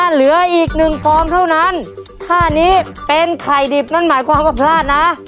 เหลืออีกหนึ่งฟองเท่านั้นท่านี้เป็นไข่ดิบนั่นหมายความว่าพลาดนะ